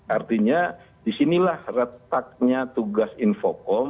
artinya disinilah retaknya tugas infoko